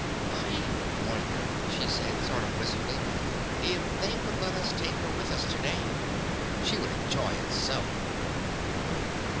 I wonder,'' she said, sort of wistful, "if they would let us take her with us to day. She would enjoy it so.''